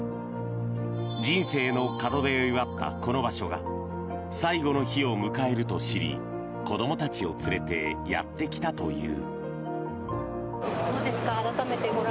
人生の門出を祝ったこの場所が最後の日を迎えると知り子どもたちを連れてやってきたという。